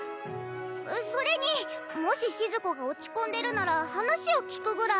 それにもししず子が落ち込んでるなら話を聞くぐらい。